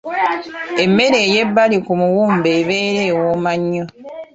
Emmere ey'ebbali ku muwumbo ebeera wooma nnyo.